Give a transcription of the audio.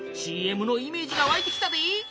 ＣＭのイメージがわいてきたで！